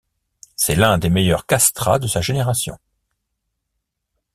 C'est l'un des meilleurs castrats de sa génération.